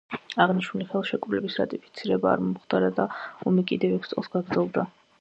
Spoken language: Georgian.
აღნიშნული ხელშეკრულების რატიფიცირება არ მომხდარა და ომი კიდევ ექვს წელს გაგრძელდა.